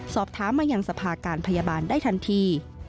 สอบถามมายังสภาการพยาบาลได้ทันที